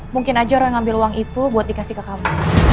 mungkin aja orang ngambil uang itu buat dikasih ke kamu